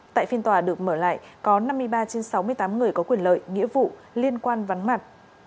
tại phiên tòa được mở lại có năm mươi ba trên sáu mươi tám người có quyền lợi nghĩa vụ liên quan vắng mặt